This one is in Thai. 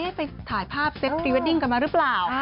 ไปถ่ายภาพเซ็ตพรีเวดดิ้งกันมาหรือเปล่า